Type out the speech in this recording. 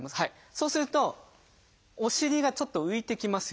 そうするとお尻がちょっと浮いてきますよね。